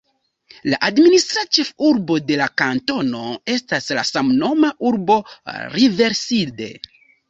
La administra ĉefurbo de la kantono estas la samnoma urbo Riverside.